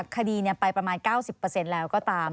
คดีไปประมาณ๙๐แล้วก็ตาม